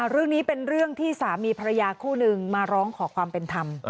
เรื่องนี้เป็นเรื่องที่สามีภรรยาคู่นึงมาร้องขอความเป็นธรรม